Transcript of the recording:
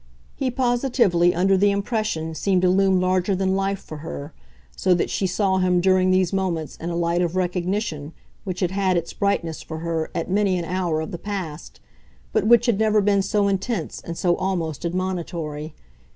He positively, under the impression, seemed to loom larger than life for her, so that she saw him during these moments in a light of recognition which had had its brightness for her at many an hour of the past, but which had never been so intense and so almost admonitory.